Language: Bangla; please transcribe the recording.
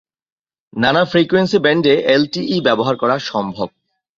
নানা ফ্রিকোয়েন্সি ব্যান্ডে এলটিই ব্যবহার করা সম্ভব।